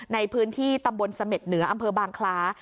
ในพื้นที่ตำบลเสม็ดเหนืออำเภอบางคล้า